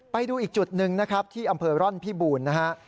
ไปดูอีกจุดหนึ่งนะครับที่อำเภอร่อนพิบูรณ์นะฮะ